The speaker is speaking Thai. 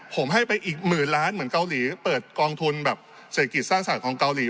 ผมให้ไปอีกหมื่นล้านเหมือนเกาหลีเปิดกองทุนแบบเศรษฐกิจสร้างสรรคของเกาหลี